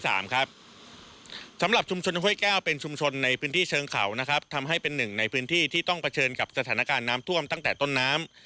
สำหรับชุมชนห้วยแก้วเป็นชุมชนในพื้นที่เชิงเขานะครับทำให้เป็นหนึ่งในพื้นที่ที่ต้องเผชิญกับสถานการณ์น้ำท่วมตั้งแต่ต้นน้ำ